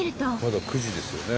まだ９時ですよね。